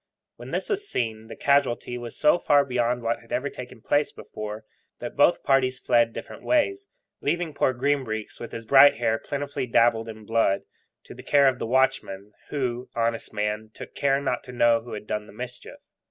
When this was seen, the casualty was so far beyond what had ever taken place before, that both parties fled different ways, leaving poor Green Breeks, with his bright hair plentifully dabbled in blood, to the care of the watchman, who (honest man) took care not to know who had done the mischief.